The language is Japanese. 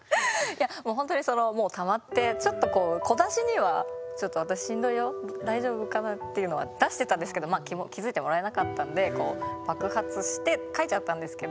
いやもうほんとにもうたまってちょっと小出しにはちょっと私しんどいよ大丈夫かな？っていうのは出してたんですけど気付いてもらえなかったんで爆発して書いちゃったんですけど。